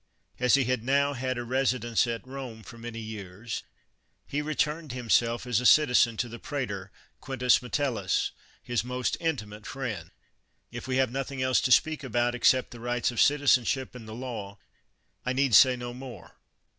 As he had now had a residence at Rome for many years, he returned himself as a citizen to the pretor, Quintus Metel 135 THE WORLD'S FAMOUS ORATIONS lofi, his most intimate friend. If we have nothing else to speak about except the rights of citizen ship and the law, I need say no more.